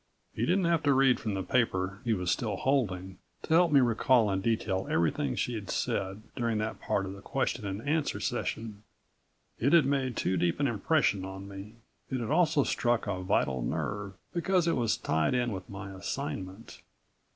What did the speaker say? He didn't have to read from the paper he was still holding to help me recall in detail everything she'd said during that part of the question and answer session. It had made too deep an impression on me. It had also struck a vital nerve, because it was tied in with my assignment.